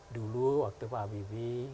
dulu waktu pak habibie